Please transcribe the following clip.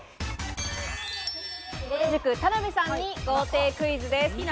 ぼる塾・田辺さんに豪邸クイズです。